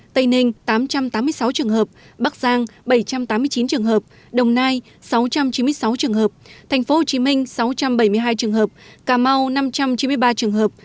tây ninh tám trăm tám mươi sáu trường hợp bắc giang bảy trăm tám mươi chín trường hợp đồng nai sáu trăm chín mươi sáu trường hợp tp hcm sáu trăm bảy mươi hai trường hợp cà mau năm trăm chín mươi ba trường hợp